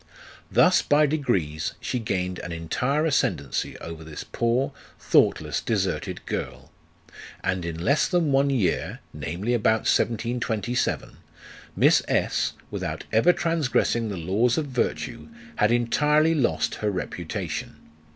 Thus by degrees she gained an entire ascendancy over this poor, thoughtless, deserted girl ; and in less than one year, namely about 1727, Miss S., without ever transgressing the laws of virtue, had entirely lost her reputation.